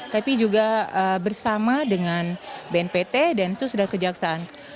tapi juga bersama dengan bnpt dan susdan kejaksaan